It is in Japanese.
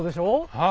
はい。